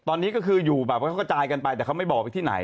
ตอนนี้ก็คืออยู่แบบว่าเขาก็จ่ายกันไปแต่เขาไม่บอกไปที่ไหน